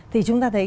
thì chúng ta thấy